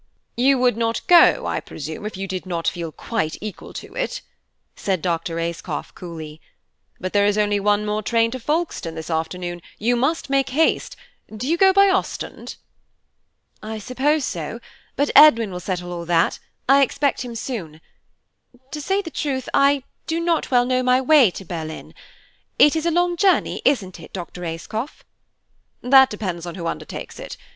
"You would not go, I presume, if you did not feel quite equal to it," said Dr. Ayscough coolly. "But there is only one more train to Folkestone this afternoon–you must make haste. Do you go by Ostend?" "I suppose so; but Edwin will settle all that–I expect him soon. To say the truth, I do not well know my way to Berlin. It is a long journey, isn't it, Dr. Ayscough?" "That depends upon who undertakes it.